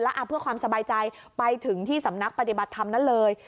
แล้วเพื่อความสบายใจไปถึงที่สำนักปฏิบัติธรรมนั้นเลย